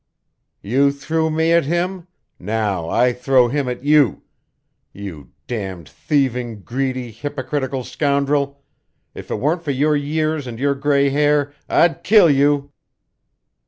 "You threw me at him. Now I throw him at you. You damned, thieving, greedy, hypocritical scoundrel, if it weren't for your years and your gray hair, I'd kill you."